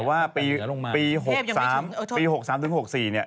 แต่ว่าปี๖๓๖๔เนี่ย